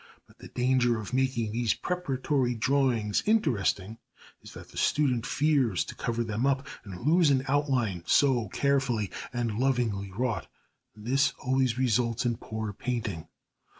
But the danger of making these preparatory drawings interesting is that the student fears to cover them up and lose an outline so carefully and lovingly wrought; and this always results in a poor painting.